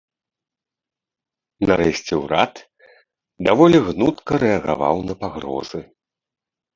Нарэшце, урад даволі гнутка рэагаваў на пагрозы.